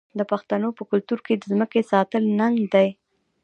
د پښتنو په کلتور کې د ځمکې ساتل ننګ دی.